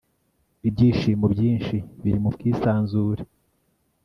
Ibyishimo byinshi biri mu bwisanzure